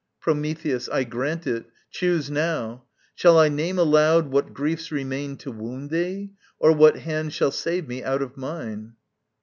Prometheus. I grant it, choose now: shall I name aloud What griefs remain to wound thee, or what hand Shall save me out of mine?